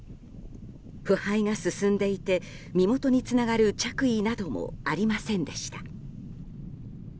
腐敗が進んでいて身元につながる着衣などもありませんでした。